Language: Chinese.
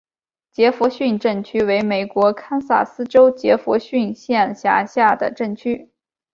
杰佛逊镇区为美国堪萨斯州杰佛逊县辖下的镇区。